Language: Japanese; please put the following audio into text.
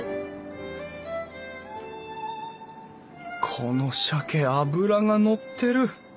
このしゃけ脂がのってる！